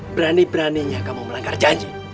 berani beraninya kamu melanggar janji